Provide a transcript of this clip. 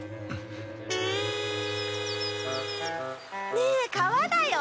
ねえ川だよ！